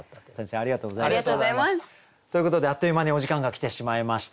ありがとうございます！ということであっという間にお時間が来てしまいました。